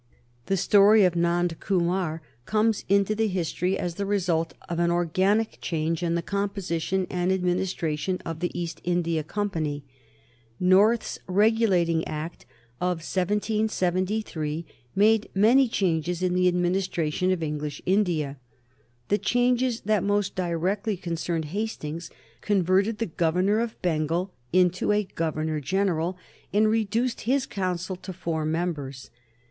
The story of Nand Kumar comes into the history as the result of an organic change in the composition and administration of the East India Company. North's Regulating Act of 1773 made many changes in the administration of English India. The changes that most directly concerned Hastings converted the Governor of Bengal into a Governor General, and reduced his Council to four members.